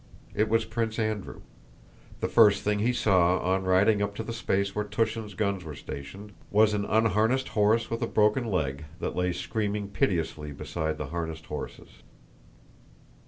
It was Prince Andrew. The first thing he saw on riding up to the space where Túshin's guns were stationed was an unharnessed horse with a broken leg, that lay screaming piteously beside the harnessed horses.